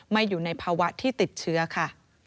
อยู่ในภาวะที่ติดเชื้อค่ะ